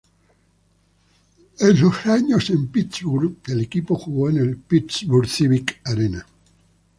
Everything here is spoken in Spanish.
En los años en Pittsburgh el equipo jugó en el Pittsburgh Civic Arena.